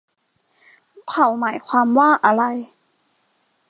เขาหมายความว่าอะไร